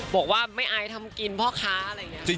บอกว่าไม่อายทำกินพ่อค้าอะไรอย่างนี้